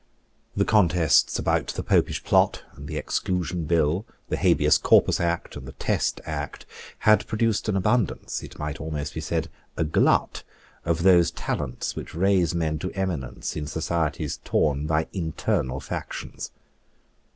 The contests about the Popish Plot and the Exclusion Bill, the Habeas Corpus Act and the Test Act, had produced an abundance, it might almost be said a glut, of those talents which raise men to eminence in societies torn by internal factions.